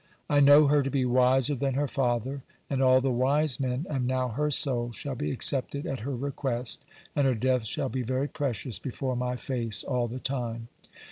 I know her to be wiser than her father, and all the wise men, and now her soul shall be accepted at her request, and her death shall be very precious before My face all the time."